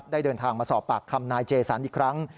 เดินทางมาสอบปากคำนายเจสันอีกครั้ง